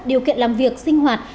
điều kiện làm việc sinh hoạt